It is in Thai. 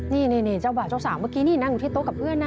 นี่เจ้าบ่าวเจ้าสาวเมื่อกี้นี่นั่งอยู่ที่โต๊ะกับเพื่อนนะ